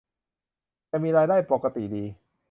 จะมีรายได้ปกติดี